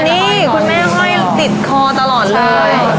อ๋อนี่คุณแม่ไห้ติดคอตลอดเลย